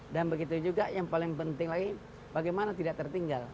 dan begitu juga yang paling penting lagi bagaimana tidak tertinggal